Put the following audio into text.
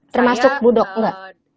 termasuk bu dok enggak